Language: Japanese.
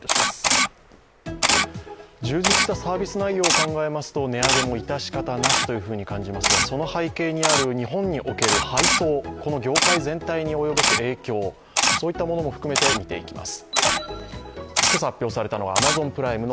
充実したサービス内容を考えますと値上げも致し方なしというふうに感じますが、その背景にある日本における配送、その全体に及ぼされる影響そういったものも含めて見ていきます。